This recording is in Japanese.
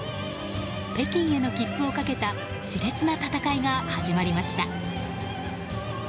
北京への切符をかけた熾烈な戦いが始まりました。